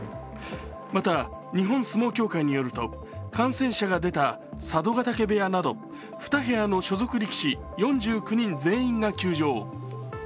また、日本相撲協会によると感染者が出た佐渡ヶ嶽部屋など２部屋の所属力士４９人全員が休場。